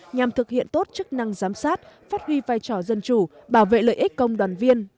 nhằm thực hiện tốt chức năng giám sát phát huy vai trò dân chủ bảo vệ lợi ích công đoàn viên